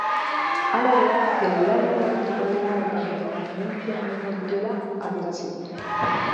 Hala ere, telelanean arituko dela eta bideokonferentziak egingo dituela adierazi du.